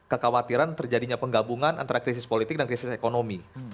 kekhawatiran terjadinya penggabungan antara krisis politik dan krisis ekonomi